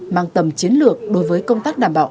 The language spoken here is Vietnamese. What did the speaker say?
mang tầm chiến lược đối với công tác đảm bảo